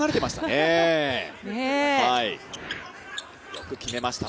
よく決めました。